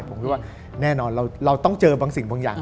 ผมคิดว่าแน่นอนเราต้องเจอบางสิ่งบางอย่าง